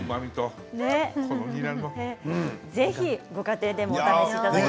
ぜひご家庭でもお試しいただいて。